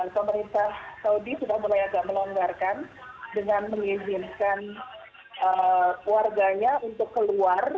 pemerintah saudi sudah mulai agak melonggarkan dengan mengizinkan warganya untuk keluar